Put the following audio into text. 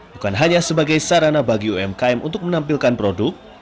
bukan hanya sebagai sarana bagi umkm untuk menampilkan produk